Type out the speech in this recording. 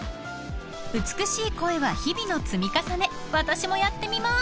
［美しい声は日々の積み重ね私もやってみます］